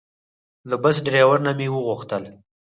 له بس ډریور نه مې وغوښتل.